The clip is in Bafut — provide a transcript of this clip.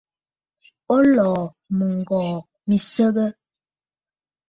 O lɔ̀ɔ̀ mɨŋgɔ̀ɔ̀ mi nsəgə?